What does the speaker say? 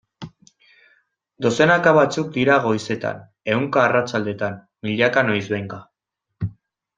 Dozenaka batzuk dira goizetan, ehunka arratsaldetan, milaka noizbehinka...